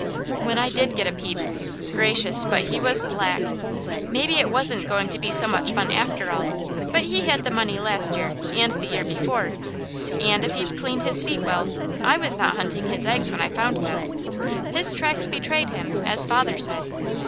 When I did get a peep, gracious but he was black! Maybe it wasn't going to be so much fun after all. But he had the money last year, and the year before, and if he'd cleaned his feet well I was not hunting his eggs, when I found them. "His tracks betrayed him," as father said.